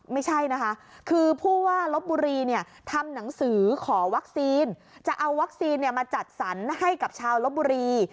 ไม่ใช่นะคะคือผู้ว่าลบบุรีทำหนังสือขอวัคซีนจะเอาวัคซีนมาจัดสรรให้กับชาวลบบุรี